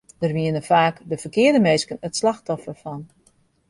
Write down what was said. Dêr wienen faak de ferkearde minsken it slachtoffer fan.